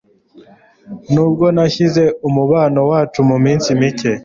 Nubwo nashyize umubano wacu muminsi mike